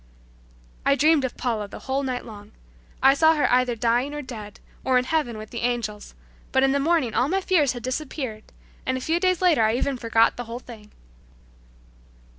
I dreamed of Paula the whole night long. I saw her either dying or dead, or in heaven with the angels; but in the morning all my fears had disappeared and a few days later I even forgot the whole thing.